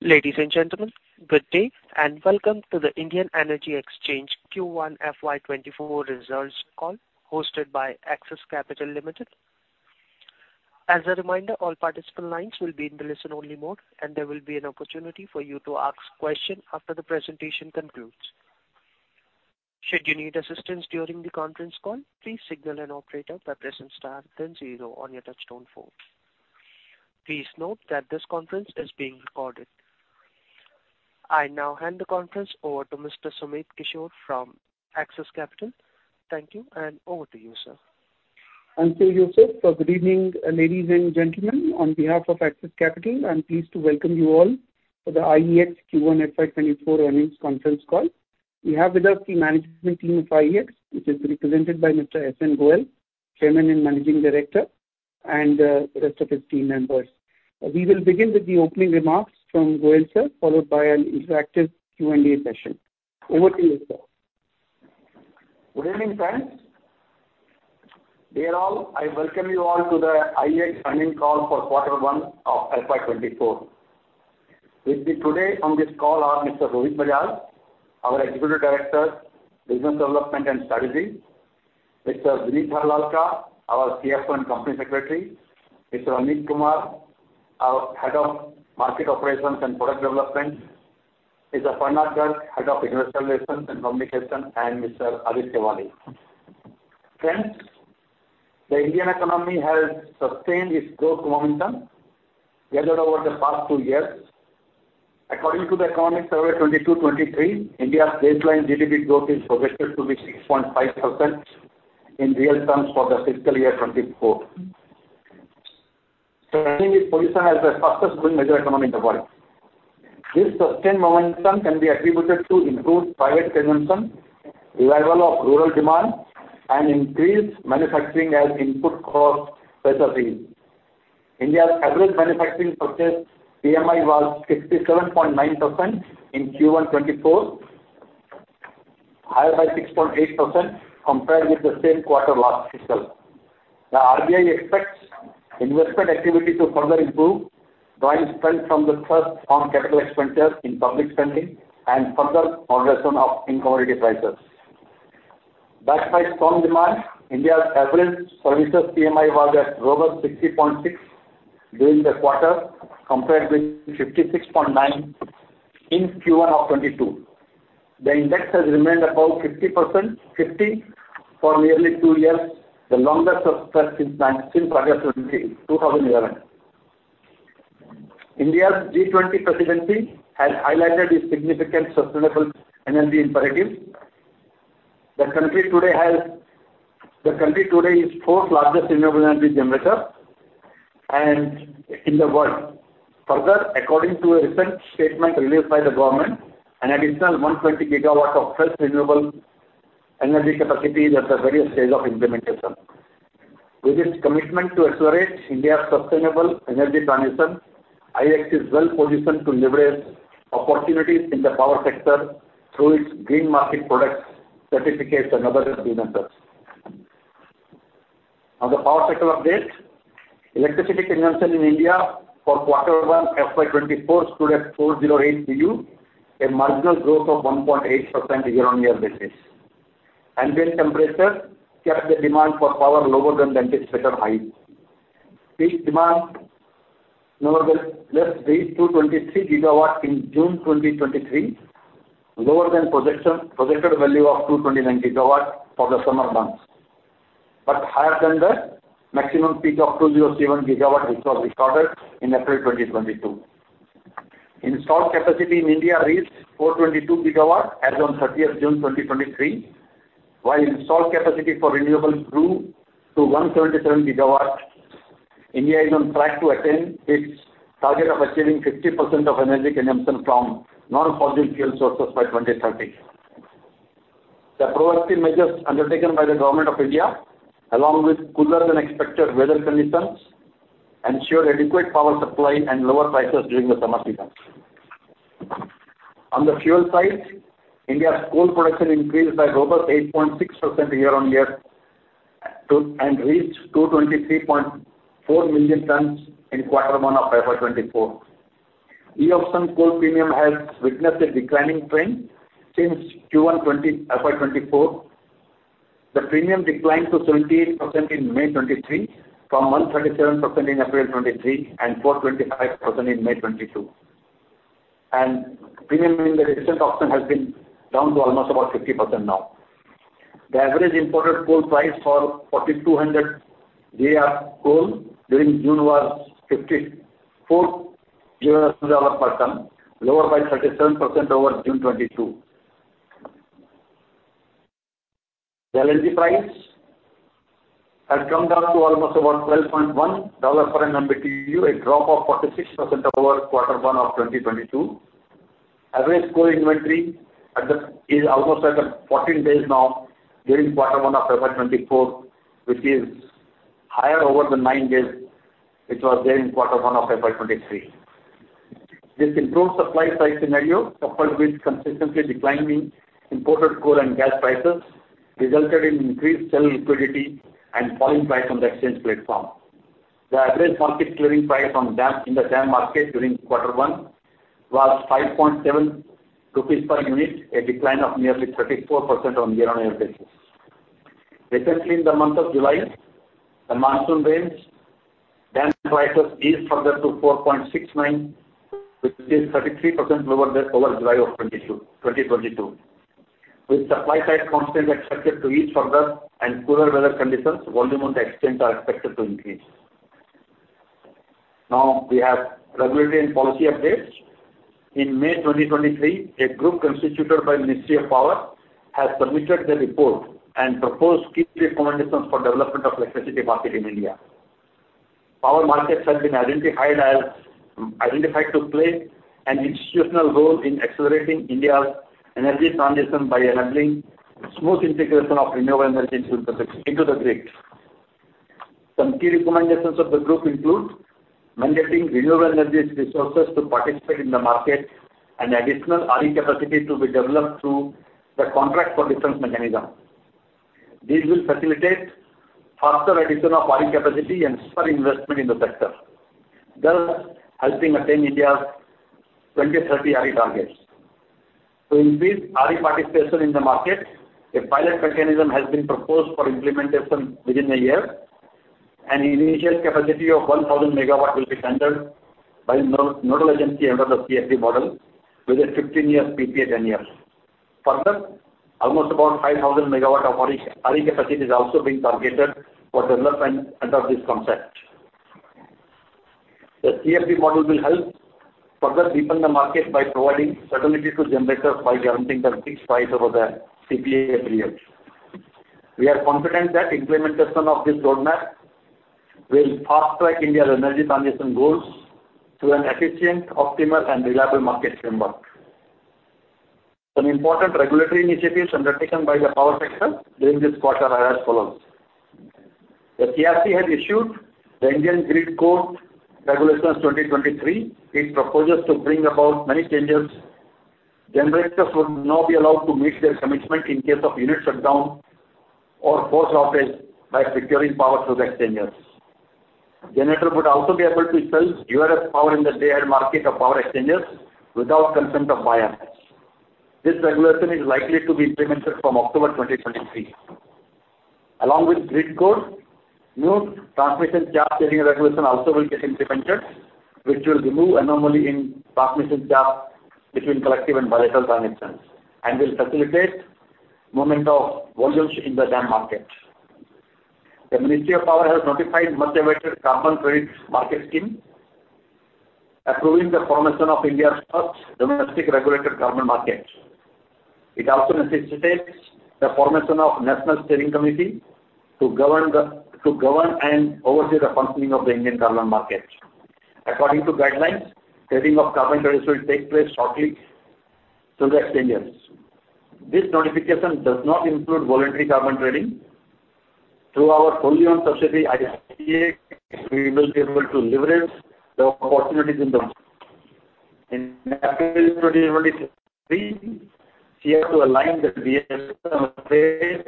Ladies and gentlemen, good day, and welcome to the Indian Energy Exchange Q1 FY24 results call, hosted by Axis Capital Limited. As a reminder, all participant lines will be in the listen-only mode, and there will be an opportunity for you to ask questions after the presentation concludes. Should you need assistance during the conference call, please signal an operator by pressing star 0 on your touchtone phone. Please note that this conference is being recorded. I now hand the conference over to Mr. Sumit Kishore from Axis Capital. Thank you, and over to you, sir. Thank you, Joseph. Good evening, ladies and gentlemen. On behalf of Axis Capital, I'm pleased to welcome you all to the IEX Q1 FY24 earnings conference call. We have with us the management team of IEX, which is represented by Mr. S.N. Goel, Chairman and Managing Director, and the rest of his team members. We will begin with the opening remarks from Goel, sir, followed by an interactive Q&A session. Over to you, sir. Good evening, friends. Dear all, I welcome you all to the IEX earning call for Q1 of FY 2024. With me today on this call are Mr. Rohit Bajaj, our Executive Director, Business Development and Strategy, Mr. Vineet Harlalka, our CFO and Company Secretary, Mr. Amit Kumar, our Head of Market Operations and Product Development, Mr. Aparna Garg, Head of Investor Relations and Communications, and Mr. Aditya Wali. Friends, the Indian economy has sustained its growth momentum gathered over the past two years. According to the Economic Survey 2022-23, India's baseline GDP growth is projected to be 6.5% in real terms for the fiscal year 2024, strengthening its position as the fastest growing major economy in the world. This sustained momentum can be attributed to improved private consumption, revival of rural demand, and increased manufacturing as input cost pressure relief. India's average manufacturing purchase PMI was 67.9% in Q1 2024, higher by 6.8% compared with the same quarter last fiscal. The RBI expects investment activity to further improve, drawing strength from the first on capital expenditure in public spending and further moderation of commodity prices. Backed by strong demand, India's average services PMI was at over 60.6 during the quarter, compared with 56.9 in Q1 2022. The index has remained above 50% for nearly two years, the longest stretch since August 2011. India's G20 presidency has highlighted a significant sustainable energy imperative. The country today is 4th largest renewable energy generator and in the world. Further, according to a recent statement released by the government, an additional 120 GW of fresh renewable energy capacity is at the various stage of implementation. With this commitment to accelerate India's sustainable energy transition, IEX is well positioned to leverage opportunities in the power sector through its Green Market products, certificates and other green methods. On the power sector update, electricity consumption in India for Q1, FY 2024, stood at 408 BU, a marginal growth of 1.8% year-on-year basis. Ambient temperature kept the demand for power lower than anticipated height. Peak demand, nevertheless, reached 223 GW in June 2023, lower than projection, projected value of 229 GW for the summer months, but higher than the maximum peak of 207 GW, which was recorded in April 2022. Installed capacity in India reached 422 GW as on 30th June 2023, while installed capacity for renewables grew to 177 GW. India is on track to attain its target of achieving 50% of energy consumption from non-fossil fuel sources by 2030. The proactive measures undertaken by the government of India, along with cooler than expected weather conditions, ensure adequate power supply and lower prices during the summer season. On the fuel side, India's coal production increased by robust 8.6% year-on-year and reached 223.4 million tons in Q1 of FY 2024. E-auction coal premium has witnessed a declining trend since Q1 FY 2024. The premium declined to 28% in May 2023 from 137% in April 2023, and 4.5% in May 2022. Premium in the recent auction has been down to almost about 50% now. The average imported coal price for 4,200 day of coal during June was $54 per ton, lower by 37% over June 2022. The LNG price has come down to almost about $12.1 per MMBtu, a drop of 46% over Q1 of 2022. Average coal inventory at the, is almost at the 14 days now during Q1 of FY 2024, which is higher over the nine days, which was there in Q1 of FY 2023. This improved supply side scenario, coupled with consistently declining imported coal and gas prices resulted in increased sell liquidity and falling price on the exchange platform. The average market clearing price from DAM, in the DAM market during Q1 was 5.7 rupees per unit, a decline of nearly 34% on year-on-year basis. Recently, in the month of July, the monsoon rains DAM prices eased further to 4.69, which is 33% lower than over July of 2022. With supply-side constraints expected to ease further and cooler weather conditions, volume on the exchange are expected to increase. Now, we have regulatory and policy updates. In May 2023, a group constituted by Ministry of Power has submitted their report and proposed key recommendations for development of electricity market in India. Power markets have been identified to play an institutional role in accelerating India's energy transition by enabling smooth integration of renewable energy into the grid. Some key recommendations of the group include mandating renewable energy resources to participate in the market and additional RE capacity to be developed through the Contract for Difference mechanism. These will facilitate faster addition of RE capacity and spur investment in the sector, thus helping attain India's 2030 RE targets. To increase RE participation in the market, a pilot mechanism has been proposed for implementation within a year, and an initial capacity of 1,000 MW will be handled by nodal agency under the CfD model, with a 15 years PPA tenure. Further, almost about 5,000 MW of RE capacity is also being targeted for development under this concept. The CfD model will help further deepen the market by providing certainty to generators by guaranteeing the fixed price over the PPA period. We are confident that implementation of this roadmap will fast track India's energy transition goals to an efficient, optimal, and reliable market framework. Some important regulatory initiatives undertaken by the power sector during this quarter are as follows: The CERC has issued the Indian Electricity Grid Code Regulations 2023. It proposes to bring about many changes. Generators would now be allowed to meet their commitment in case of unit shutdown or force outage by securing power through the exchanges. Generator would also be able to sell excess power in the Day-Ahead Market of power exchanges without consent of buyers. This regulation is likely to be implemented from October 2023. Along with Grid Code, new Sharing of Inter-State Transmission Charges and Losses Regulations also will get implemented, which will remove anomaly in transmission charge between Collective Transactions and Bilateral Transactions, and will facilitate movement of volumes in the DAM market. The Ministry of Power has notified much-awaited Carbon Credit Trading Scheme, 2023, approving the formation of India's first domestic regulated carbon market. It also necessitates the formation of National Steering Committee to govern and oversee the functioning of the Indian Carbon Market. According to guidelines, trading of carbon credits will take place shortly through the exchanges. This notification does not include voluntary carbon trading. Through our fully owned subsidiary, ICX, we will be able to leverage the opportunities in the market. In April 2023, we have to align the DSM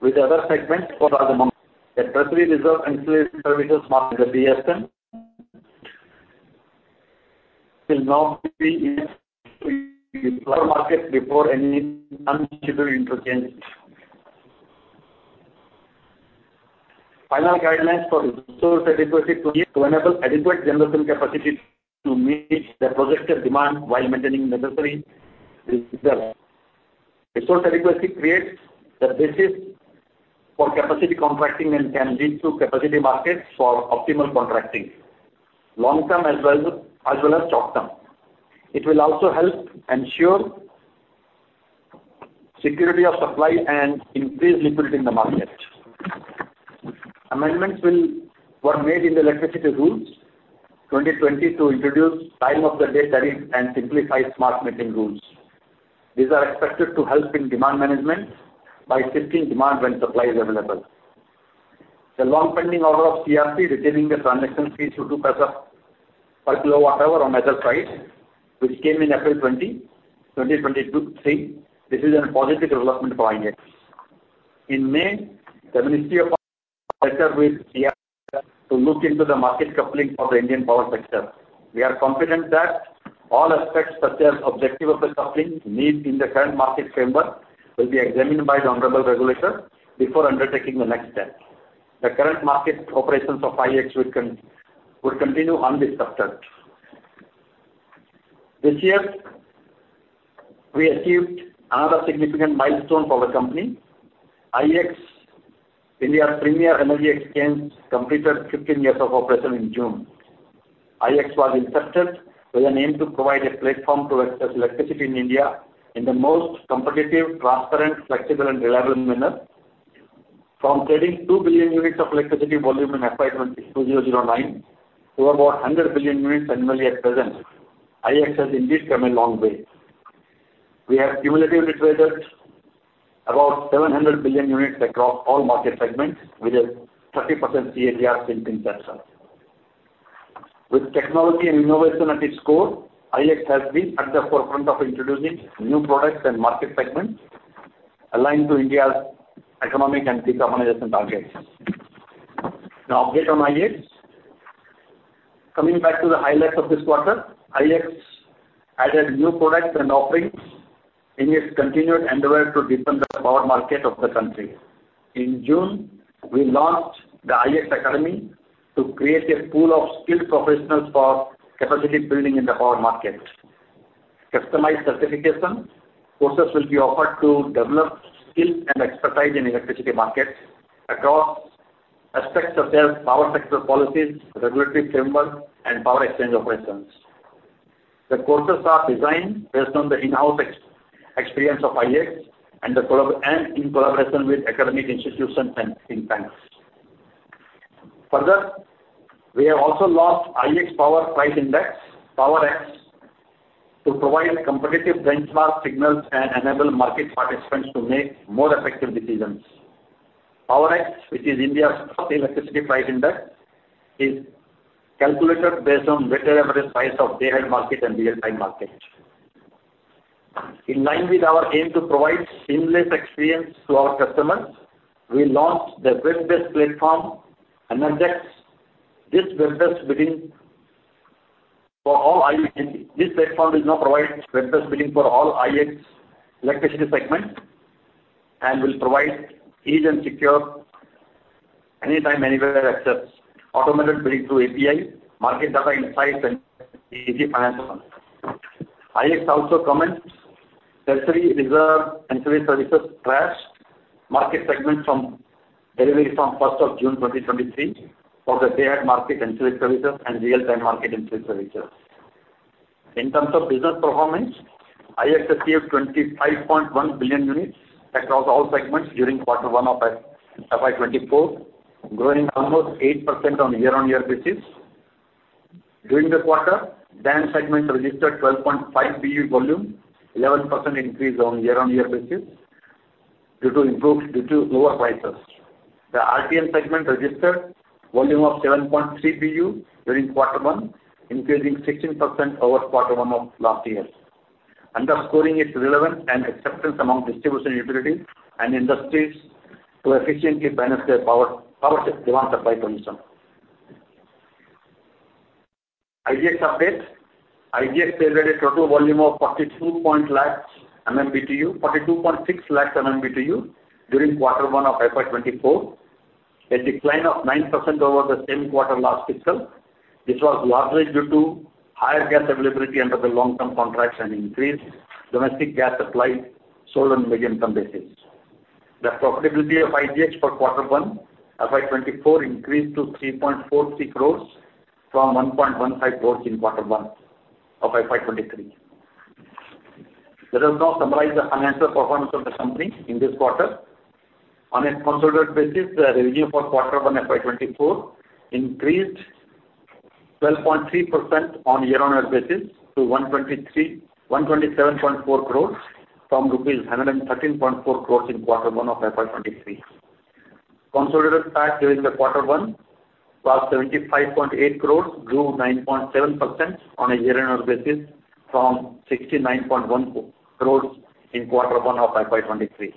with other segments for other months. The Primary Reserve Ancillary Services market, the PSM, will now be in the power market before any unscheduled interchange. Final guidelines for resource adequacy to enable adequate generation capacity to meet the projected demand while maintaining necessary reserve. Resource adequacy creates the basis for capacity contracting and can lead to capacity markets for optimal contracting, long term as well, as well as short term. It will also help ensure security of supply and increased liquidity in the market. Amendments were made in the Electricity Rules 2020 to introduce Time of Day tariffs and simplify smart metering rules. These are expected to help in demand management by shifting demand when supply is available. The long-pending order of CERC retaining the transmission fee to INR 0.02 per kW on measured price, which came in April 2023. This is a positive development for IEX. In May, the Ministry of Power with CERC to look into the market coupling of the Indian power sector. We are confident that all aspects, such as objective of the coupling, needs in the current market framework, will be examined by the honorable regulator before undertaking the next step. The current market operations of IEX will continue undisturbed. This year, we achieved another significant milestone for the company. IEX, India's premier energy exchange, completed 15 years of operation in June. IEX was instituted with an aim to provide a platform to access electricity in India in the most competitive, transparent, flexible, and reliable manner. From trading 2 billion units of electricity volume in FY 2009, to over 100 billion units annually at present, IEX has indeed come a long way. We have cumulatively traded about 700 billion units across all market segments, with a 30% CAGR since inception. With technology and innovation at its core, IEX has been at the forefront of introducing new products and market segments aligned to India's economic and decarbonization targets. Update on IEX. Coming back to the highlights of this quarter, IEX added new products and offerings in its continued endeavor to deepen the power market of the country. In June, we launched the IEX Academy to create a pool of skilled professionals for capacity building in the power market. Customized certification courses will be offered to develop skills and expertise in electricity markets across aspects of their power sector policies, regulatory framework, and power exchange operations. The courses are designed based on the in-house experience of IEX and in collaboration with academic institutions and in banks. Further, we have also launched IEX power price index, PowerX, to provide competitive benchmark signals and enable market participants to make more effective decisions. PowerX, which is India's first electricity price index, is calculated based on weighted average price of Day-Ahead Market and Real-Time Market. In line with our aim to provide seamless experience to our customers, we launched the web-based platform, EnerX. This platform will now provide web-based bidding for all IEX electricity segments, and will provide easy and secure, anytime, anywhere access, automated billing through API, market data insights, and easy financial. IEX also comments Tertiary Reserve Ancillary Services market segment from, delivery from 1st of June 2023, for the Day-Ahead Market Ancillary Services and Real-Time Market Ancillary Services. In terms of business performance, IEX achieved 25.1 billion units across all segments during Q1 of FY 2024, growing almost 8% on a year-on-year basis. During the quarter, DAM segment registered 12.5 BU volume, 11% increase on a year-on-year basis, due to lower prices. The RTM segment registered volume of 7.3 BU during Q1, increasing 16% over Q1 of last year, underscoring its relevance and acceptance among distribution, utility, and industries to efficiently balance their power demand-supply condition. IEX update. IEX delivered a total volume of 42.6 lakhs MMBtu during Q1 of FY 2024, a decline of 9% over the same quarter last fiscal, which was largely due to higher gas availability under the long-term contracts and increased domestic gas supply sold on million ton basis. The profitability of IEX for Q1, FY 2024, increased to 3.46 crores from 1.15 crores in Q1 of FY 2023. Let us now summarize the financial performance of the company in this quarter. On a consolidated basis, the revenue for Q1, FY 2024, increased 12.3% on a year-on-year basis to INR 127.4 crores from INR 113.4 crores in Q1 of FY 2023.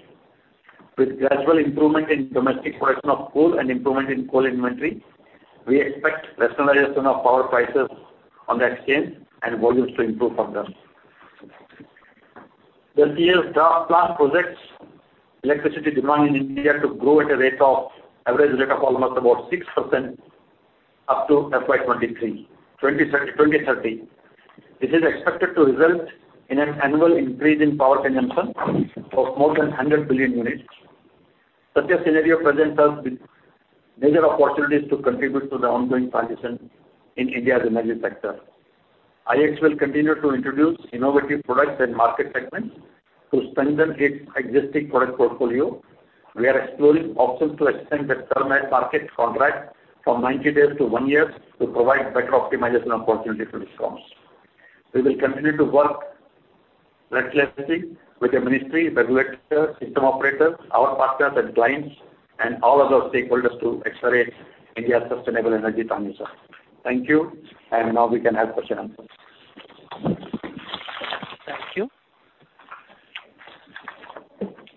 Consolidated PAT during the Q1 was 75.8 crores, grew 9.7% on a year-on-year basis from 69.1 crores in Q1 of FY 2023. With gradual improvement in domestic production of coal and improvement in coal inventory, we expect rationalization of power prices on the exchange and volumes to improve from them. The NEP Draft Plan projects electricity demand in India to grow at an average rate of almost about 6% up to FY 2023, 2030. This is expected to result in an annual increase in power consumption of more than 100 billion units. Such a scenario presents us with major opportunities to contribute to the ongoing transition in India's energy sector. IEX will continue to introduce innovative products and market segments to strengthen its existing product portfolio. We are exploring options to extend the term and market contract from 90 days to one year, to provide better optimization opportunities for the customers. We will continue to work relentlessly with the ministry, regulators, system operators, our partners and clients, and all other stakeholders to accelerate India's sustainable energy transition. Thank you, and now we can have question answer. Thank you.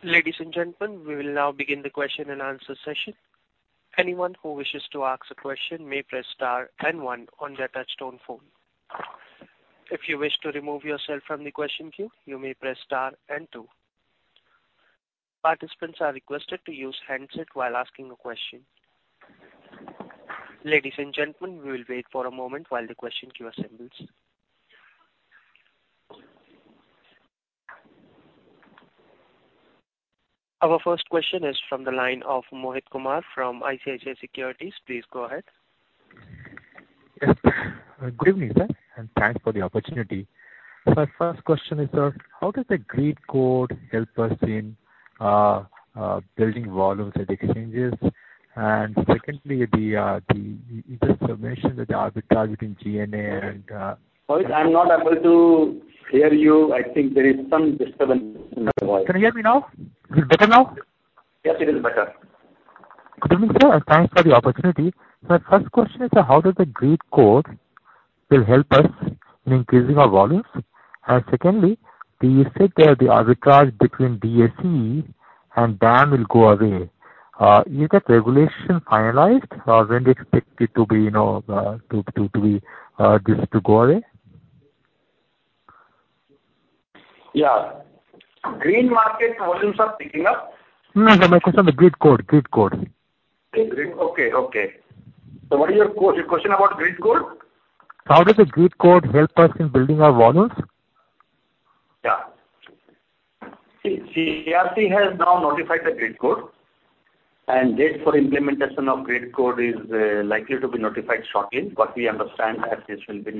Ladies and gentlemen, we will now begin the question and answer session. Anyone who wishes to ask a question may press star one on their touchtone phone. If you wish to remove yourself from the question queue, you may press star two. Participants are requested to use handset while asking a question. Ladies and gentlemen, we will wait for a moment while the question queue assembles. Our first question is from the line of Mohit Kumar, from ICICI Securities. Please go ahead. Yes. Good evening, sir, and thanks for the opportunity. My first question is, sir, how does the grid code help us in building volumes at exchanges? Secondly, the, you just mentioned that there are between GNA and- Mohit, I'm not able to hear you. I think there is some disturbance in the voice. Can you hear me now? Better now? Yes, it is better. Good evening, sir, and thanks for the opportunity. My first question is, how does the grid code will help us in increasing our volumes? Secondly, you said that the arbitrage between DAC and DAM will go away? Is that regulation finalized, or when do you expect it to be, this to go away? Yeah. Green Market volumes are picking up? No, no, my question on the grid code, grid code. Okay, okay. What is your your question about grid code? How does the Grid Code help us in building our volumes? Yeah. See, CERC has now notified the grid code, and date for implementation of grid code is likely to be notified shortly, but we understand that this will be.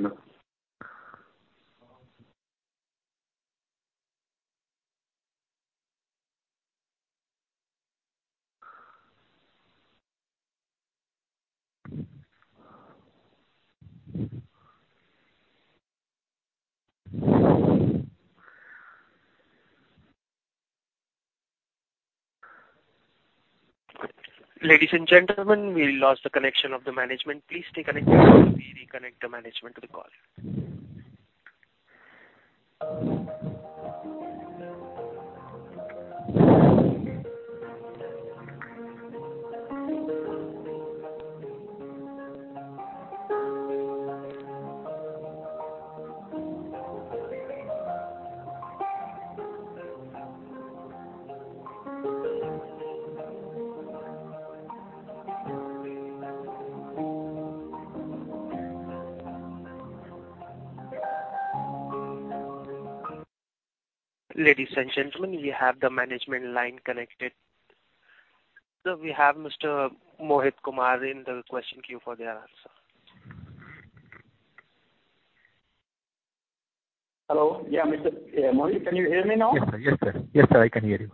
Ladies and gentlemen, we lost the connection of the management. Please stay connected as we reconnect the management to the call. Ladies and gentlemen, we have the management line connected. We have Mr. Mohit Kumar in the question queue for the answer. Hello? Yeah, Mr. Mohit, can you hear me now? Yes, sir. Yes, sir. Yes, sir, I can hear you.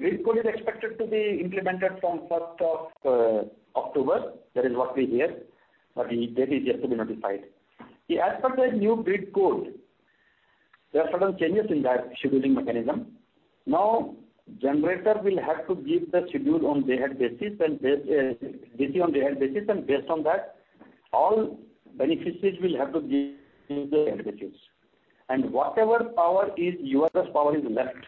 Grid code is expected to be implemented from first of October. That is what we hear, but the date is yet to be notified. As per the new grid code, there are certain changes in that scheduling mechanism. Now, generator will have to give the schedule on day-ahead basis, and daily on day-ahead basis, and based on that, all beneficiaries will have to give the advantages. Whatever power is, URS power is left,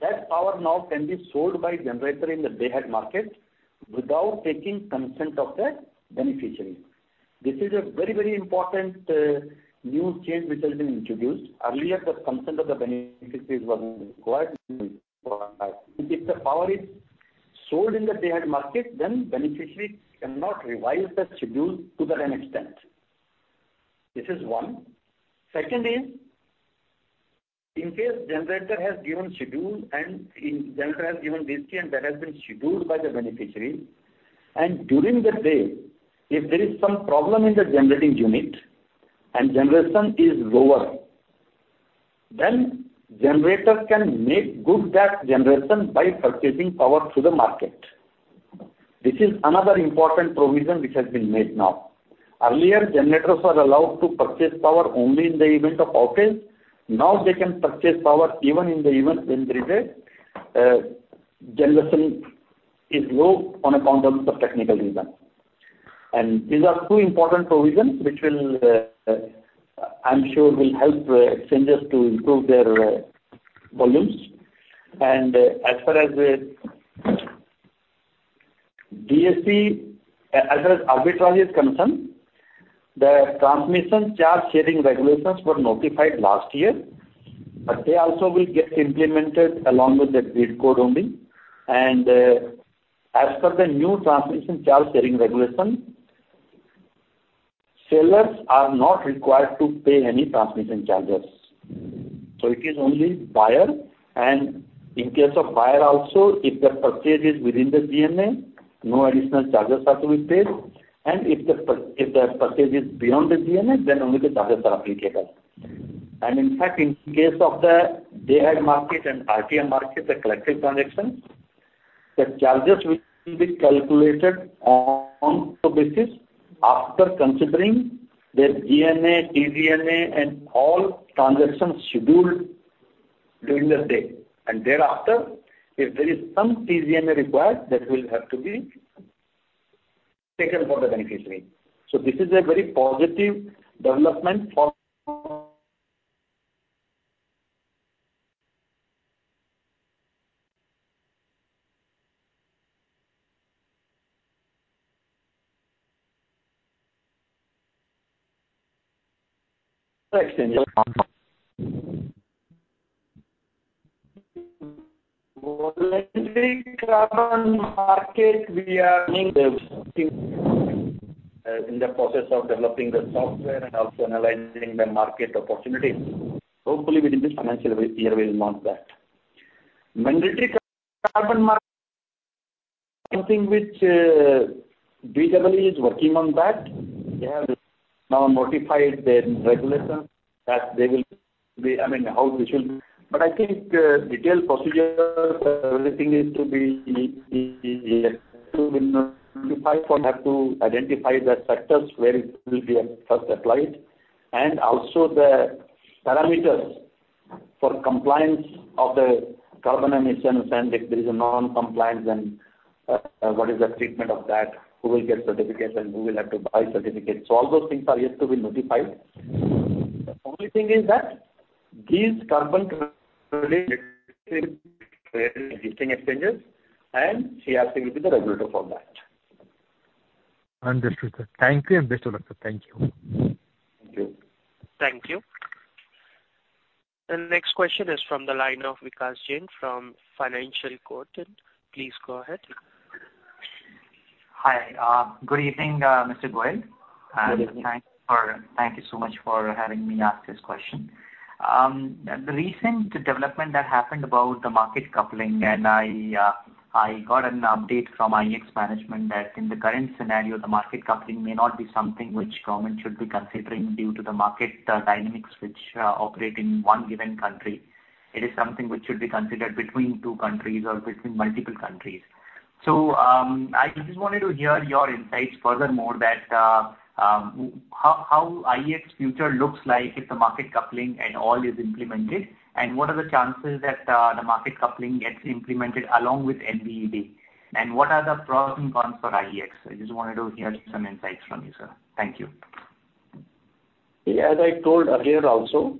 that power now can be sold by generator in the Day-Ahead Market without taking consent of the beneficiary. This is a very, very important new change which has been introduced. Earlier, the consent of the beneficiaries was required. If the power is sold in the Day-Ahead Market, then beneficiary cannot revise the schedule to that an extent. This is one. Second is, in case generator has given schedule, and if generator has given schedule and that has been scheduled by the beneficiary, and during the day, if there is some problem in the generating unit and generation is lower, then generator can make good that generation by purchasing power through the market. This is another important provision which has been made now. Earlier, generators were allowed to purchase power only in the event of outage. Now, they can purchase power even in the event when there is a generation is low on account of the technical reason. These are two important provisions which will, I'm sure will help exchanges to improve their volumes. As far as the DSP, as far as arbitrage is concerned, the transmission charge sharing regulations were notified last year, but they also will get implemented along with the grid code only. As per the new transmission charge sharing regulation, sellers are not required to pay any transmission charges. It is only buyer. In case of buyer also, if the purchase is within the GNA, no additional charges are to be paid, and if the purchase is beyond the GNA, then only the charges are applicable. In fact, in case of the day-ahead market and RTM market, the collective transactions, the charges will be calculated on to basis after considering the GNA, T-GNA, and all transactions scheduled during the day. Thereafter, if there is some T-GNA required, that will have to be taken for the beneficiary. This is a very positive development. Voluntary carbon market, we are in the process of developing the software and also analyzing the market opportunity. Hopefully, within this financial year, we will launch that. Mandatory carbon market, something which BEE is working on that. They have now modified the regulation that they will be... I mean, how this will-- I think, detailed procedure, everything is to be notified, for we have to identify the sectors where it will be first applied, and also the parameters for compliance of the carbon emissions, and if there is a non-compliance, then, what is the treatment of that? Who will get certificates, and who will have to buy certificates? All those things are yet to be notified. The only thing is that these carbon exchanges, and CERC will be the regulator for that. Understood, sir. Thank you. I understood that, sir. Thank you. Thank you. Thank you. The next question is from the line of Vikas Jain from Financial Quotient. Please go ahead. Hi, good evening, Mr. Goel. Good evening. thank for, thank you so much for having me ask this question. The recent development that happened about the market coupling, and I got an update from IEX management that in the current scenario, the market coupling may not be something which government should be considering due to the market dynamics which operate in one given country. It is something which should be considered between two countries or between multiple countries. I just wanted to hear your insights furthermore that how IEX future looks like if the market coupling and all is implemented, and what are the chances that the market coupling gets implemented along with MBED? What are the pros and cons for IEX? I just wanted to hear some insights from you, sir. Thank you. As I told earlier also,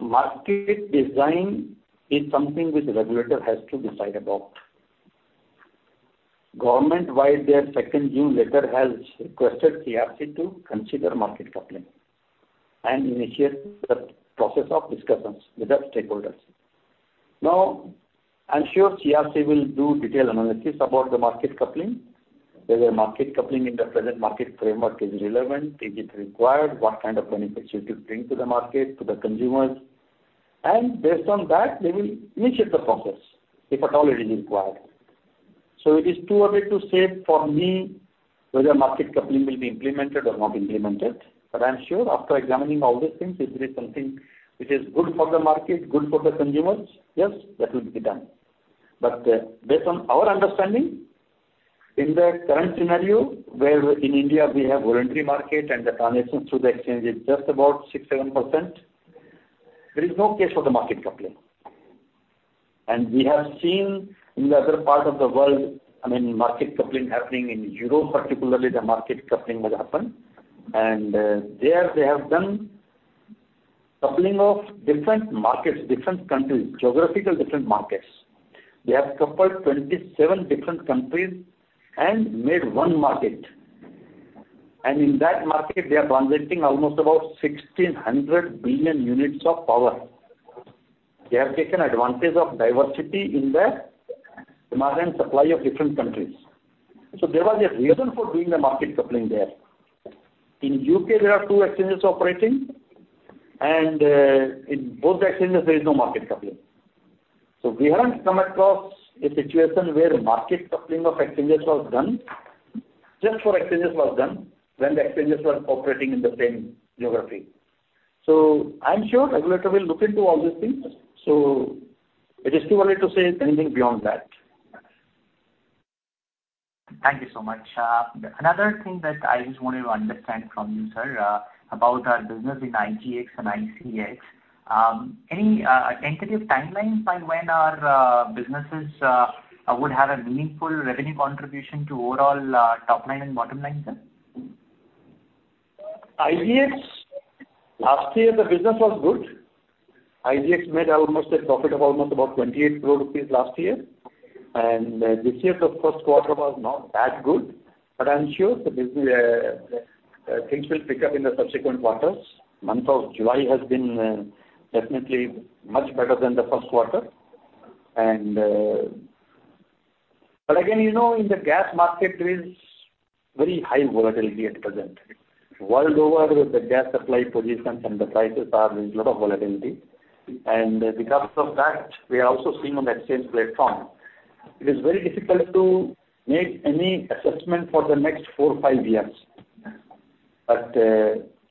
market design is something which the regulator has to decide about. Government, via their second June letter, has requested CERC to consider market coupling and initiate the process of discussions with the stakeholders. I'm sure CERC will do detailed analysis about the market coupling. Whether market coupling in the present market framework is relevant, is it required, what kind of benefits it will bring to the market, to the consumers, and based on that, they will initiate the process, if at all it is required. It is too early to say for me whether market coupling will be implemented or not implemented, but I'm sure after examining all these things, if it is something which is good for the market, good for the consumers, yes, that will be done. Based on our understanding, in the current scenario, where in India we have voluntary market and the transactions through the exchange is just about 6-7%, there is no case for the market coupling. We have seen in the other part of the world, I mean, market coupling happening in Europe, particularly the market coupling has happened. There they have done coupling of different markets, different countries, geographical different markets. They have coupled 27 different countries and made one market. In that market, they are transacting almost about 1,600 billion units of power. They have taken advantage of diversity in the demand and supply of different countries. There was a reason for doing the market coupling there. In U.K., there are two exchanges operating, in both the exchanges, there is no market coupling. We haven't come across a situation where Market Coupling of exchanges was done, just for exchanges was done, when the exchanges were operating in the same geography. I'm sure regulator will look into all these things, so it is too early to say anything beyond that. Thank you so much. Another thing that I just wanted to understand from you, sir, about our business in IGX and ICX. Any tentative timelines by when our businesses would have a meaningful revenue contribution to overall top line and bottom line, sir? IGX, last year, the business was good. IGX made almost a profit of almost about 28 crore rupees last year. This year, the Q1 was not that good, but I'm sure things will pick up in the subsequent quarters. Month of July has been definitely much better than the Q1. Again, you know, in the gas market, there is very high volatility at present. World over, with the gas supply positions and the prices are, there's a lot of volatility. Because of that, we are also seeing on the exchange platform, it is very difficult to make any assessment for the next four, five years.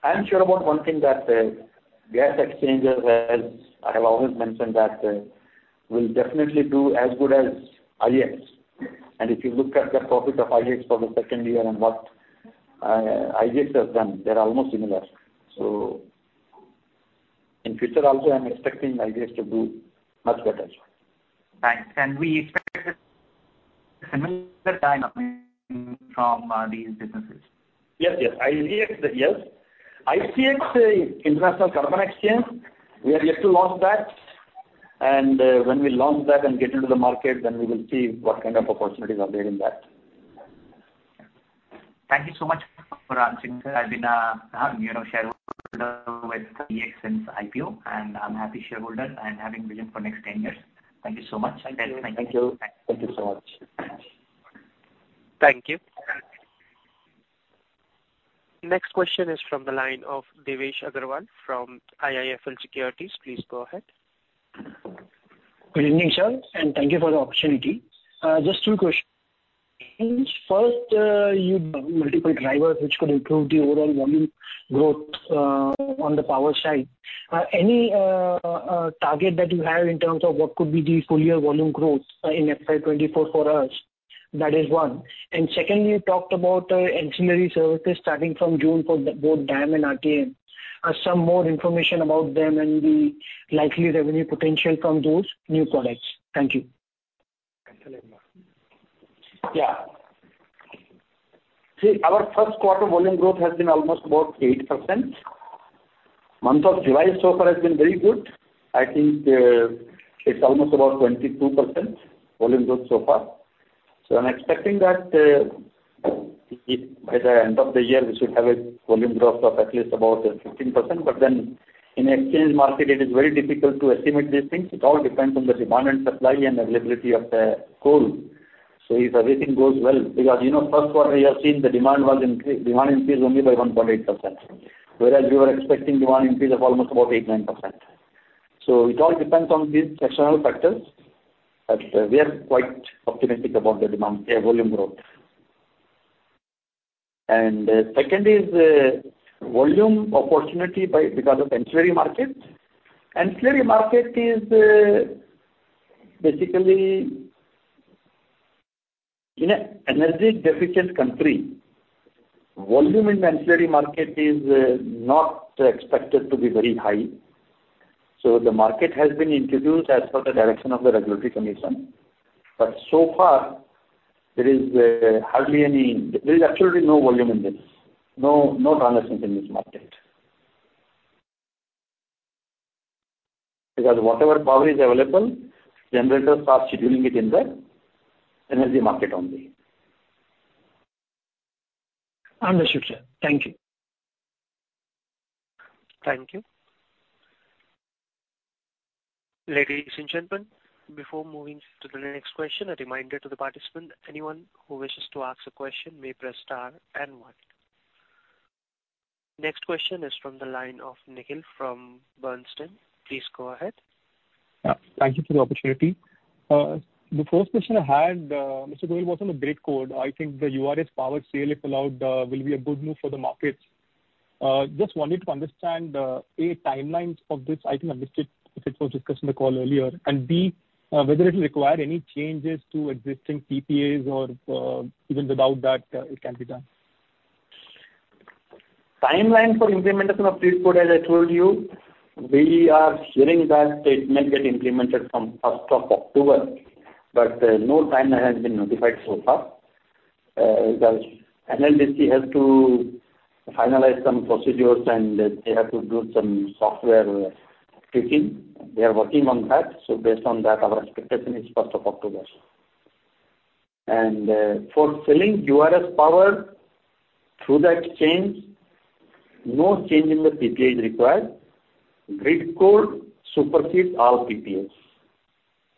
I'm sure about one thing, that gas exchanges, as I have always mentioned, that will definitely do as good as IEX. If you look at the profit of IEX for the second year and what IGX has done, they're almost similar. In future also, I'm expecting IGX to do much better. Thanks. Can we expect a similar time from these businesses? Yes, yes. IEX, yes. ICX, International Carbon Exchange, we are yet to launch that. When we launch that and get into the market, then we will see what kind of opportunities are there in that. Thank you so much for answering. I've been a shareholder with IEX since IPO, and I'm a happy shareholder. I'm having vision for next 10 years. Thank you so much. Thank you. Thank you so much. Thank you. Next question is from the line of Devesh Agarwal from IIFL Securities. Please go ahead. Good evening, sir, and thank you for the opportunity. Just two questions. First, you multiple drivers, which could improve the overall volume growth on the power side. Any target that you have in terms of what could be the full year volume growth in FY 2024 for us?... That is one. Secondly, you talked about the ancillary services starting from June for the both DAM and RTM. Some more information about them and the likely revenue potential from those new products. Thank you. See, our Q1 volume growth has been almost about 8%. Month of July so far has been very good. I think, it's almost about 22% volume growth so far. I'm expecting that, if by the end of the year, we should have a volume growth of at least about 15%. Then in exchange market, it is very difficult to estimate these things. It all depends on the demand and supply and availability of the coal. If everything goes well, because, you know, Q1, we have seen the demand increase only by 1.8%, whereas we were expecting demand increase of almost about 8%, 9%. It all depends on these external factors, but we are quite optimistic about the demand, volume growth. Second is volume opportunity by because of ancillary market. Ancillary market is basically in a energy deficient country, volume in ancillary market is not expected to be very high. The market has been introduced as per the direction of the regulatory commission, but so far there is absolutely no volume in this, no, no transactions in this market. Whatever power is available, generators are scheduling it in the energy market only. Understood, sir. Thank you. Thank you. Ladies and gentlemen, before moving to the next question, a reminder to the participant, anyone who wishes to ask a question may press star and one. Next question is from the line of Nikhil from Bernstein. Please go ahead. Yeah. Thank you for the opportunity. The first question I had, Mr. Goel, was on the grid code. I think the URS power sale, if allowed, will be a good move for the markets. Just wanted to understand, A, timelines of this. I think I missed it, if it was discussed in the call earlier. And B, whether it will require any changes to existing PPAs or, even without that, it can be done? Timeline for implementation of Grid Code, as I told you, we are hearing that it may get implemented from 1st of October, but no timeline has been notified so far. Because NLDC has to finalize some procedures, and they have to do some software tweaking. They are working on that, so based on that, our expectation is 1st of October. For selling URS power through the exchange, no change in the PPA is required. Grid Code supersedes all PPAs.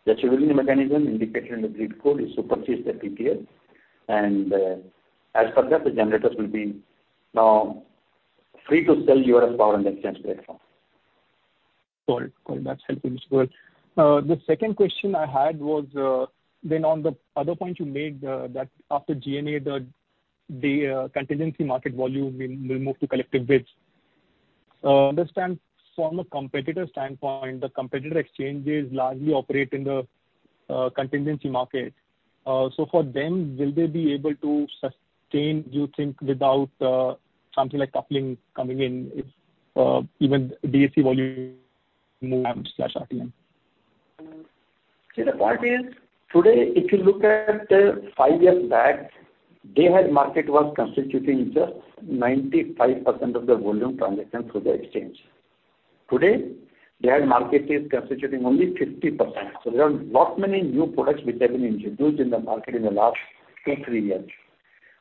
The scheduling mechanism indicated in the Grid Code supersedes the PPA, and as per that, the generators will be now free to sell URS power on the exchange platform. Got it. Got it. That's helpful. The second question I had was, then on the other point you made, that after GNA, the, the, contingency market volume will, will move to collective bids. Understand from a competitor standpoint, the competitor exchanges largely operate in the contingency market. For them, will they be able to sustain, do you think, without something like coupling coming in, even DAC volume, RTM? The point is, today, if you look at, five years back, Day-Ahead Market was constituting just 95% of the volume transaction through the exchange. Today, Day-Ahead Market is constituting only 50%. There are lot many new products which have been introduced in the market in the last two, three years.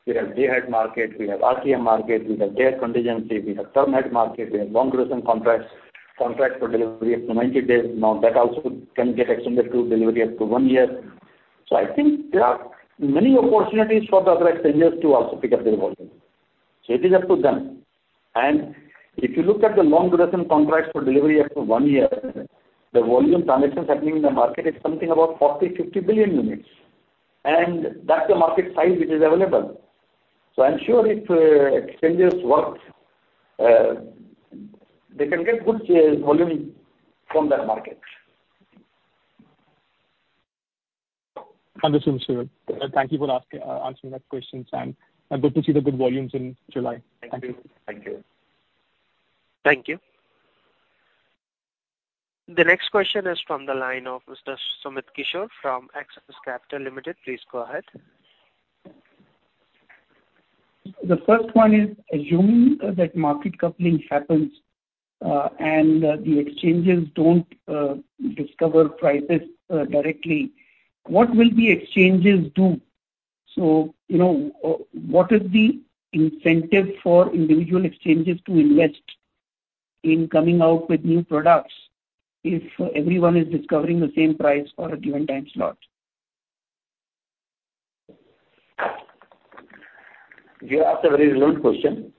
We have Day-Ahead Market, we have RTM market, we have Day-Ahead Contingency, we have Term Ahead Market, we have Long Duration Contracts, contract for delivery up to 90 days. That also can get extended to delivery up to one year. I think there are many opportunities for the other exchanges to also pick up their volume. It is up to them. If you look at the long duration contract for delivery up to 1 year, the volume transactions happening in the market is something about 40-50 billion units. That's the market size which is available. I'm sure if exchanges work, they can get good volume from that market. Understood, sir. Thank you for answering my questions. Good to see the good volumes in July. Thank you. Thank you. Thank you. The next question is from the line of Mr. Sumit Kishore from Axis Capital Limited. Please go ahead. The first one is, assuming, that Market Coupling happens, and the exchanges don't, discover prices, directly, what will the exchanges do? You know, what is the incentive for individual exchanges to invest in coming out with new products if everyone is discovering the same price for a given time slot? You asked a very relevant question,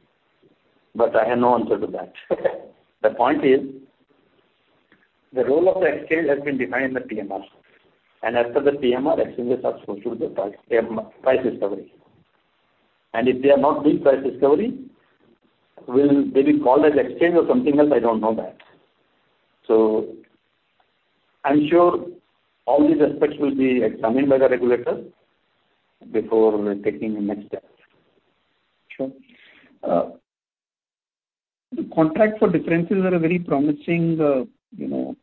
but I have no answer to that. The point is, the role of the exchange has been defined in the PMR, and as per the PMR, exchanges are supposed to do the price, price discovery. If they are not doing price discovery, will they be called as exchange or something else? I don't know that. I'm sure all these aspects will be examined by the regulator before taking the next step. Sure. The Contract for Differences are a very promising, you know,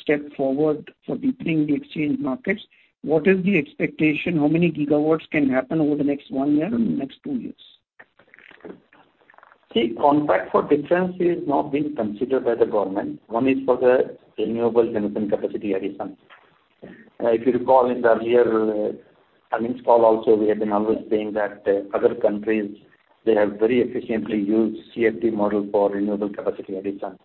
step forward for deepening the exchange markets. What is the expectation? How many gigawatts can happen over the next one year or the next two years? See, Contract for Difference is now being considered by the government. One is for the renewable generation capacity addition. If you recall, in the earlier earnings call also, we have been always saying that other countries, they have very efficiently used CfD model for renewable capacity addition.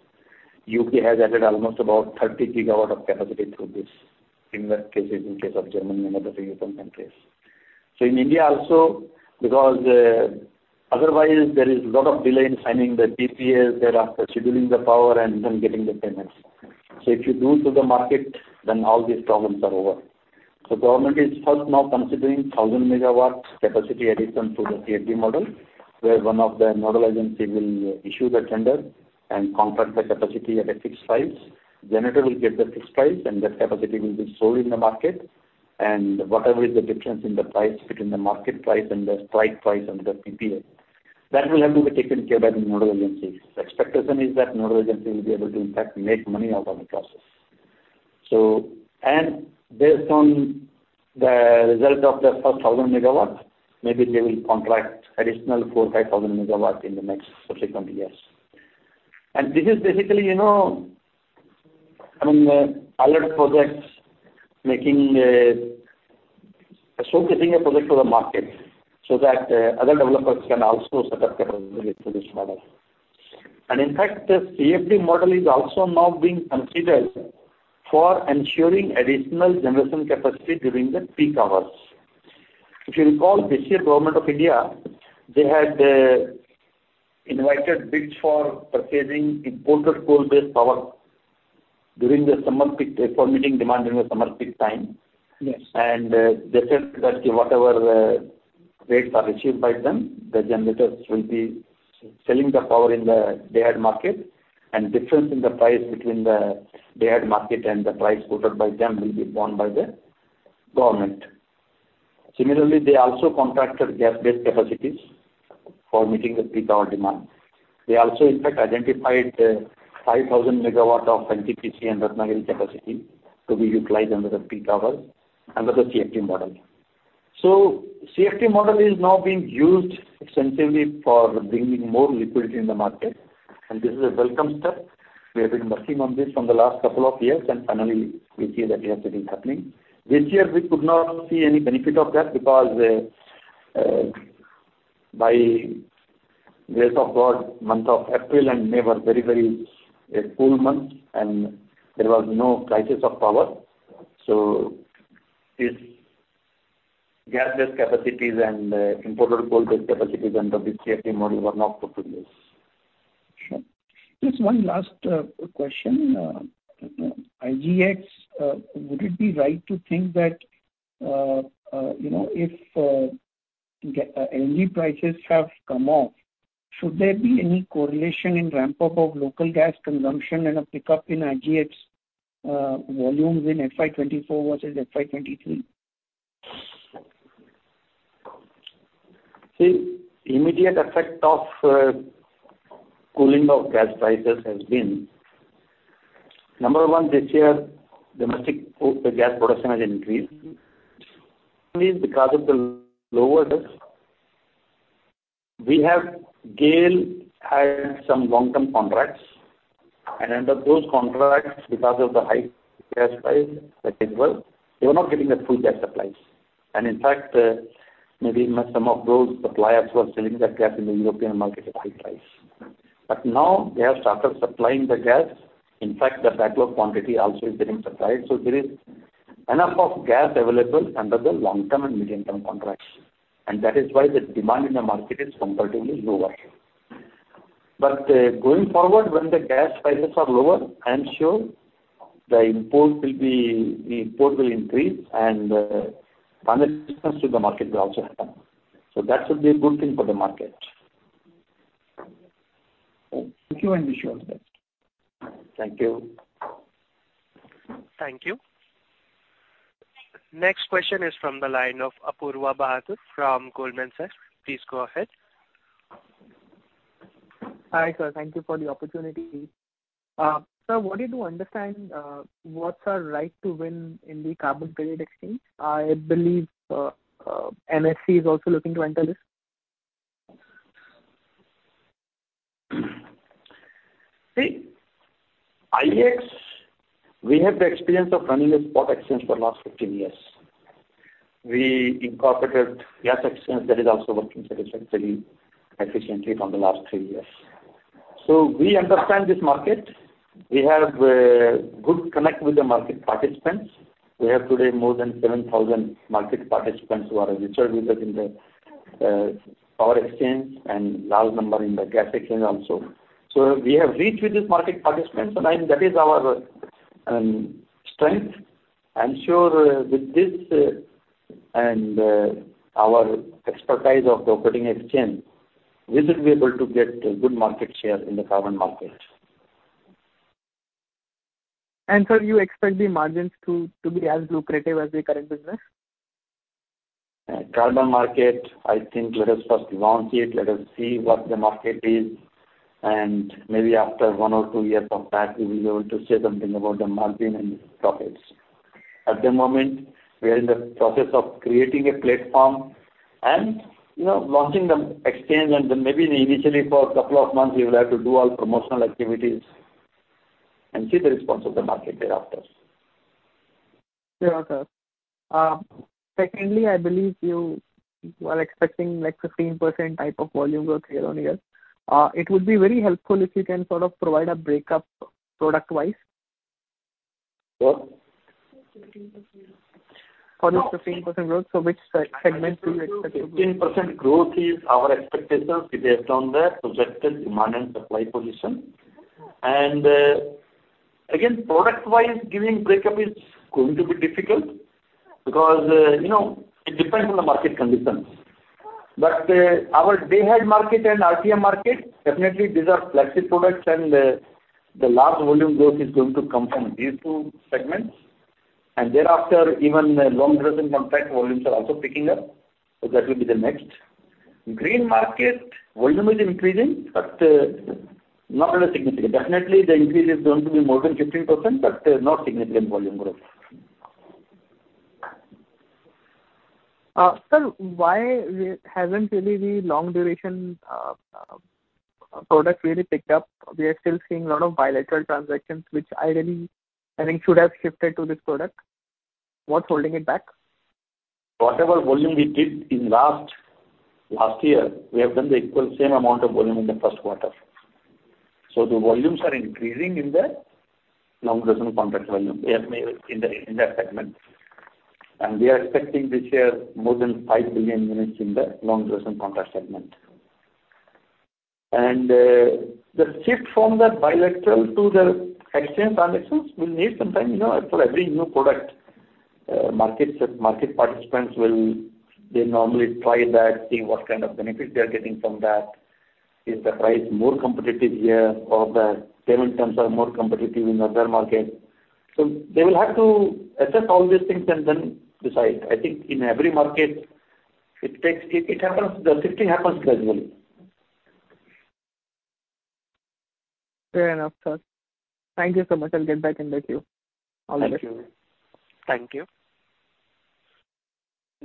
U.K. has added almost about 30 GW of capacity through this, in that cases, in case of Germany and other European countries. In India also, because, otherwise there is a lot of delay in signing the PPA, there are scheduling the power and then getting the payments. If you do to the market, then all these problems are over. Government is first now considering 1,000 MW capacity addition to the CfD model, where one of the nodal agency will issue the tender and contract the capacity at a fixed price. Generator will get the fixed price, and that capacity will be sold in the market. Whatever is the difference in the price between the market price and the strike price under PPA, that will have to be taken care by the nodal agency. The expectation is that nodal agency will be able to, in fact, make money out of the process. And based on the result of the 1,000 MW, maybe they will contract additional 4,000-5,000 MW in the next subsequent years. This is basically, you know, I mean, other projects making, showcasing a project to the market so that other developers can also set up capacity with this model. In fact, the CfD model is also now being considered for ensuring additional generation capacity during the peak hours. If you recall, this year, Government of India, they had invited bids for purchasing imported coal-based power during the summer peak, for meeting demand during the summer peak time. Yes. They said that whatever, rates are received by them, the generators will be selling the power in the Day-Ahead Market, and difference in the price between the Day-Ahead Market and the price quoted by them will be borne by the Government. Similarly, they also contracted gas-based capacities for meeting the peak hour demand. They also, in fact, identified 5,000 MW of NTPC and Ratnagiri capacity to be utilized under the peak hour, under the CfD model. CfD model is now being used extensively for bringing more liquidity in the market, and this is a welcome step. We have been working on this from the last couple of years, and finally we see that it has been happening. This year, we could not see any benefit of that because, by grace of God, month of April and May were very, very, a cool month, and there was no crisis of power. These gas-based capacities and imported coal-based capacities under the CfD model were not put to use. Sure. Just one last question. IGX, would it be right to think that, you know, if LNG prices have come off, should there be any correlation in ramp up of local gas consumption and a pickup in IGX volumes in FY 2024 versus FY 2023? See, immediate effect of cooling of gas prices has been, number one, this year, domestic gas production has increased. Because of the lower, we have GAIL had some long-term contracts, and under those contracts, because of the high gas price, they were not getting the full gas supplies. In fact, maybe some of those suppliers were selling that gas in the European market at high price. Now they have started supplying the gas. In fact, the backlog quantity also is getting supplied. There is enough of gas available under the long-term and medium-term contracts, and that is why the demand in the market is comparatively lower. Going forward, when the gas prices are lower, I am sure the import will increase and participants to the market will also happen. That should be a good thing for the market. Thank you, and wish you all the best. Thank you. Thank you. Next question is from the line of Apoorva Bahadur from Goldman Sachs. Please go ahead. Hi, sir. Thank you for the opportunity. Sir, what did you understand, what's our right to win in the carbon credit exchange? I believe, MCX is also looking to enter this. IEX, we have the experience of running a spot exchange for the last 15 years. We incorporated gas exchange that is also working sufficiently, efficiently from the last three years. We understand this market. We have good connect with the market participants. We have today more than 7,000 market participants who are registered with us in the power exchange and large number in the gas exchange also. We have reached with these market participants, and I mean, that is our strength. I'm sure with this and our expertise of the operating exchange, we should be able to get a good market share in the carbon market. So you expect the margins to be as lucrative as the current business? Carbon market, I think let us first launch it, let us see what the market is. Maybe after one or two years from that, we will be able to say something about the margin and profits. At the moment, we are in the process of creating a platform and, you know, launching the exchange. Then maybe initially for a couple of months, we will have to do all promotional activities and see the response of the market thereafter. Yeah, sir. Secondly, I believe you, you are expecting like 15% type of volume growth year-on-year. It would be very helpful if you can sort of provide a breakup product-wise. What? For the 15% growth, which segment do you expect it? 15% growth is our expectation based on the projected demand and supply position. Again, product-wise, giving breakup is going to be difficult because, you know, it depends on the market conditions. Our Day-Ahead Market and RTM market, definitely these are flexible products, and the large volume growth is going to come from these two segments. Thereafter, even the Long Duration Contracts volumes are also picking up, so that will be the next. Green Market, volume is increasing, not really significant. Definitely, the increase is going to be more than 15%, not significant volume growth. Sir, why we haven't really the long-duration product really picked up? We are still seeing a lot of Bilateral Transactions, which ideally, I think should have shifted to this product. What's holding it back? Whatever volume we did last year, we have done the equal, same amount of volume in the Q1. The volumes are increasing in the Long Duration Contracts volume, yeah, in that segment. We are expecting this year more than 5 billion units in the Long Duration Contracts segment. The shift from the Bilateral Transactions to the exchange transactions will need some time. You know, for every new product, market participants will... They normally try that, see what kind of benefit they are getting from that. Is the price more competitive here, or the payment terms are more competitive in other market? They will have to assess all these things and then decide. I think in every market, it happens, the shifting happens gradually. Fair enough, sir. Thank you so much. I'll get back in the queue. All the best. Thank you. Thank you.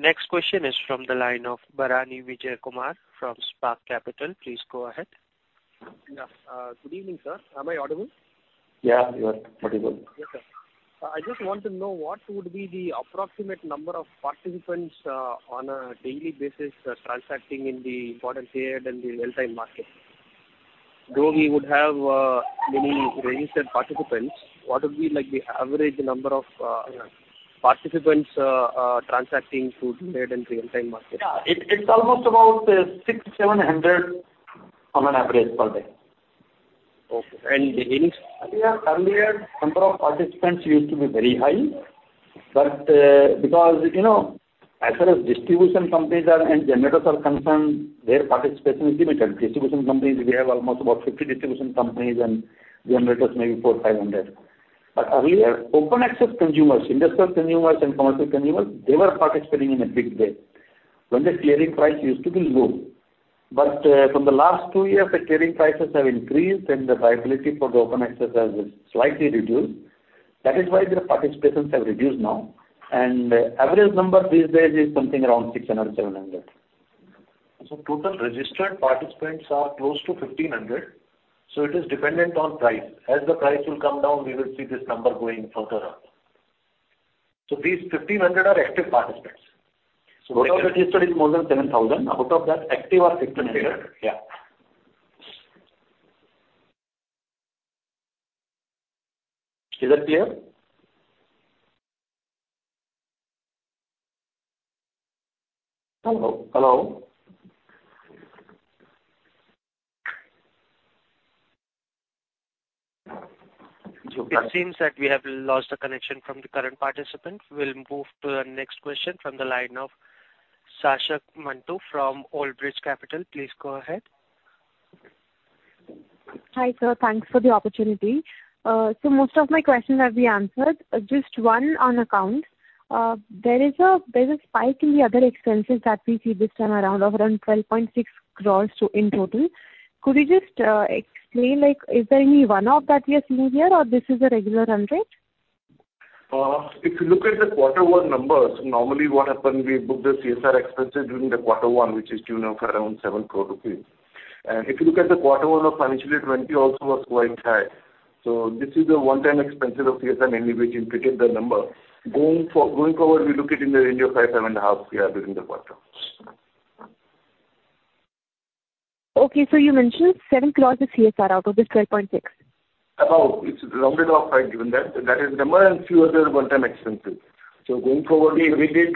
Next question is from the line of Bharanidhar Vijayakumar from Spark Capital. Please go ahead. Yeah. good evening, sir. Am I audible? Yeah, you are audible. Yes, sir. I just want to know what would be the approximate number of participants, on a daily basis, transacting in the forward period and the Real-Time Market? Though we would have, many registered participants, what would be like the average number of participants, transacting through delayed and Real-Time Market? Yeah, it, it's almost about, 600-700 on an average per day. Okay. Earlier, earlier, number of participants used to be very high, but because, you know, as far as distribution companies are, and generators are concerned, their participation is limited. Distribution companies, we have almost about 50 distribution companies and generators, maybe 400-500. Earlier, open access consumers, industrial consumers and commercial consumers, they were participating in a big way when the clearing price used to be low. From the last two years, the clearing prices have increased, and the viability for the open access has been slightly reduced. That is why their participations have reduced now, and average number these days is something around 600-700. Total registered participants are close to 1,500. It is dependent on price. As the price will come down, we will see this number going further up. These 1,500 are active participants. Total registered is more than 7,000. Out of that, active are 1,500. Okay. Yeah. Is that clear? Hello? Hello. It seems that we have lost the connection from the current participant. We'll move to the next question from the line of Saaksha Mantoo from Old Bridge Capital. Please go ahead. Hi, sir. Thanks for the opportunity. Most of my questions have been answered. Just one on accounts. There is a spike in the other expenses that we see this time around of around 12.6 crore in total. Could you just explain, like, is there any one-off that we are seeing here, or this is a regular trend? If you look at the Q1 numbers, normally what happen, we book the CSR expenses during the Q1, which is tune of around seven crore rupees. If you look at the Q1 of financially 2020 also was quite high. This is a one-time expense of CSR mainly, which inflated the number. Going forward, we look it in the range of five crore-7.5 crore year during the quarter. Okay, you mentioned seven crore is CSR out of the 12.6 crore? About, it's rounded off by given that. That is number and few other one-time expenses. Going forward, we, we did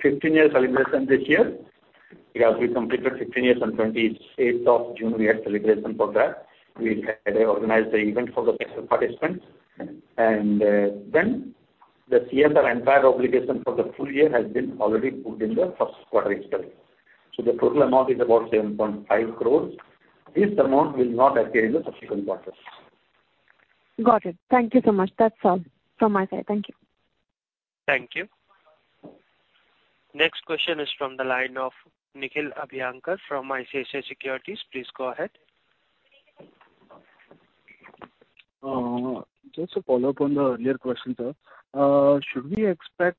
15 years celebration this year. Yeah, we completed 15 years on 28th of June, we had celebration for that. We had organized the event for the participants, and, then the CSR expense obligation for the full year has been already put in the Q1 itself. The total amount is about 7.5 crore. This amount will not appear in the subsequent quarters. Got it. Thank you so much. That's all from my side. Thank you. Thank you. Next question is from the line of Nikhil Abhyankar from ICICI Securities. Please go ahead. Just to follow up on the earlier question, sir. Should we expect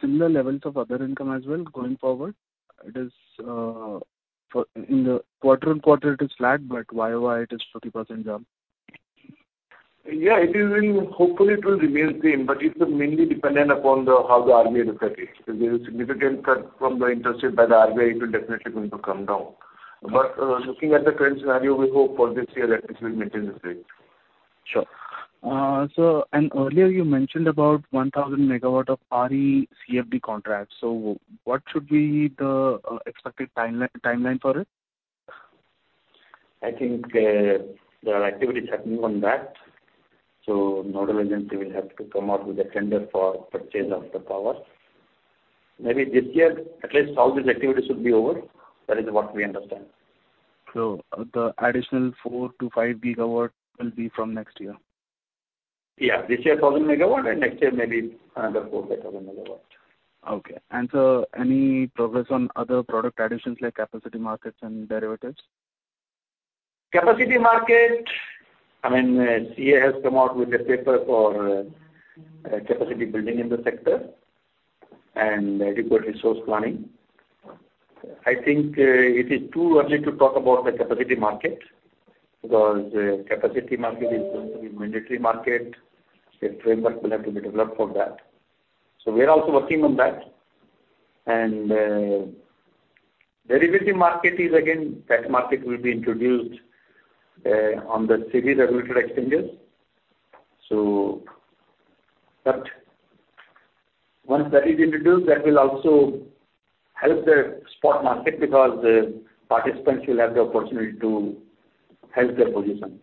similar levels of other income as well going forward? It is, for in the quarter-over-quarter, it is flat. Year-over-year it is 40% down. Yeah, Hopefully, it will remain same, but it's mainly dependent upon the, how the RBA decides. If there is a significant cut from the interest rate by the RBA, it will definitely going to come down. Looking at the current scenario, we hope for this year that it will maintain the same. Sure. Earlier you mentioned about 1,000 MW of RE CfD contracts. What should be the expected timeline, timeline for it? I think, there are activities happening on that. Nodal agency will have to come out with a tender for purchase of the power. Maybe this year, at least all these activities should be over. That is what we understand. The additional 4-5 GW will be from next year? Yeah, this year, 1,000 MW, next year, maybe another 4,000 MW. Okay. Any progress on other product additions like capacity markets and derivatives? Capacity market, I mean, CEA has come out with a paper for capacity building in the sector and renewable resource planning. I think it is too early to talk about the capacity market, because capacity market is going to be mandatory market. A framework will have to be developed for that. We are also working on that. Derivative market is again, that market will be introduced on the CERC regulated exchanges. Once that is introduced, that will also help the spot market, because the participants will have the opportunity to help their position.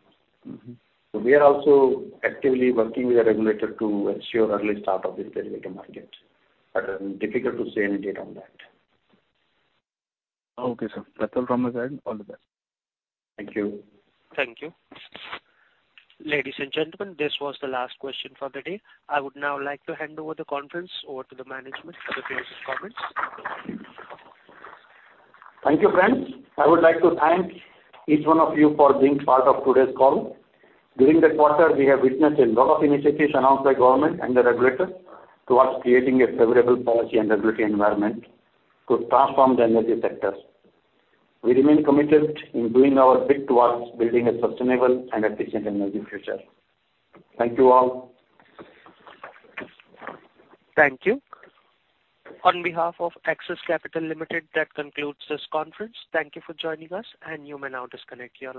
We are also actively working with the regulator to ensure early start of this derivative market, but difficult to say any date on that. Okay, sir. That's all from my end. All the best. Thank you. Thank you. Ladies and gentlemen, this was the last question for the day. I would now like to hand over the conference over to the management for the closing comments. Thank you, friends. I would like to thank each one of you for being part of today's call. During the quarter, we have witnessed a lot of initiatives announced by government and the regulators towards creating a favorable policy and regulatory environment to transform the energy sector. We remain committed in doing our bit towards building a sustainable and efficient energy future. Thank you all. Thank you. On behalf of Axis Capital Limited, that concludes this conference. Thank you for joining us, and you may now disconnect your lines.